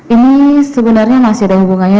ini sebenarnya masih ada hubungannya